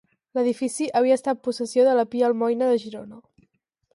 L'edifici havia estat possessió de la Pia Almoina de Girona.